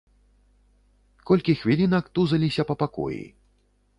Колькі хвілінак тузаліся па пакоі.